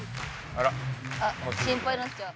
「あっ心配になっちゃう」